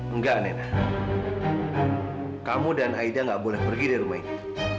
enggak nenek kamu dan aida gak boleh pergi dari rumah ini